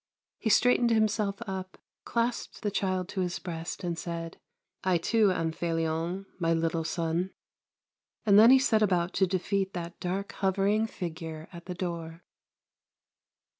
He straightened himself up, clasped the child to his breast, and said :" I, too, am Felion, my little son." And then he set about to defeat that dark, hovering Figure at the door.